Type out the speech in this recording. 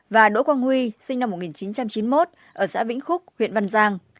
và đỗ quang huy sinh năm một nghìn chín trăm chín mươi một ở xã vĩnh khúc huyện văn giang